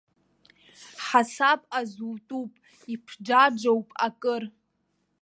Ҳасаб азутәуп, иԥџаџоуп акыр.